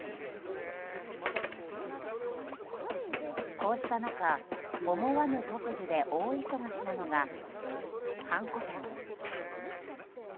こうした中思わぬ特需で大忙しなのがはんこ店です。